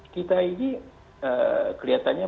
kita ini kelihatannya